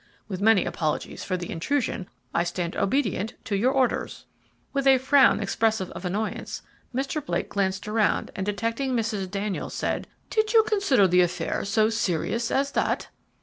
With many apologies for the intrusion, I stand obedient to your orders." With a frown expressive of annoyance, Mr. Blake glanced around and detecting Mrs. Daniels, said: "Did you consider the affair so serious as that?"